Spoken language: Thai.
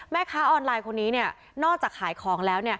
แม่ค้าออนไลน์คนนี้นอกจากขายของแล้ว